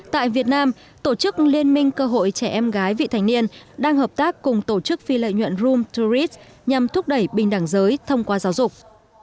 tại việt nam tổ chức liên minh cơ hội trẻ em gái vị thành niên đang hợp tác cùng tổ chức phi lợi nhuận room tourist nhằm thúc đẩy bình đẳng giới thông qua giáo dục